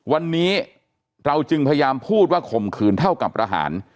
วันนี้เราจึงพยายามพูดว่าข่มขืนเท่ากับประหาร